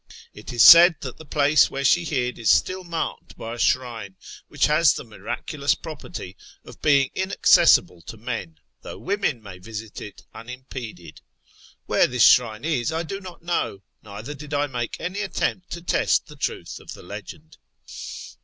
It is said that the place where she hid is still marked by a shrine which has the miraculous property of being inaccessible to men, though women may visit it unimpeded. "Where this shrine is I do not know, neither did I make any attempt to test the truth of the legend.